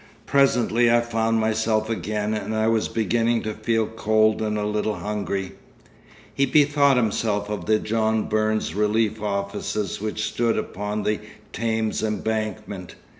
'Presently I found myself again, and I was beginning to feel cold and a little hungry.' He bethought himself of the John Burns Relief Offices which stood upon the Thames Embankment.